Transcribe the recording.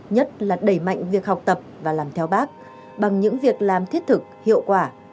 nhất là đẩy mạnh việc học tập và làm theo bác bằng những việc làm thiết thực hiệu quả